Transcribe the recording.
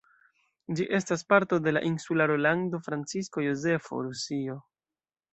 Ĝi estas parto de la insularo Lando Francisko Jozefo, Rusio.